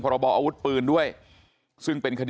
ทำให้สัมภาษณ์อะไรต่างนานไปออกรายการเยอะแยะไปหมด